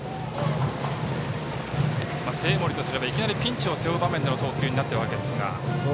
生盛とすれば、いきなりピンチを背負う場面での投球になったわけですが。